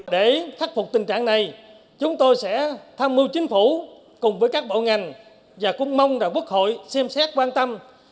để khắc phục tình trạng này chúng tôi sẽ tham mưu chính phủ cùng với các bộ ngành và cũng mong là quốc hội xem xét quan tâm